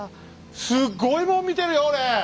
すごいもん見てるよ俺！